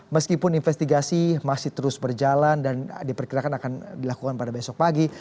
meskipun investigasi masih terus berjalan dan diperkirakan akan dilakukan pada besok pagi